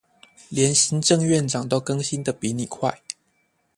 連行政院長都更新得比你快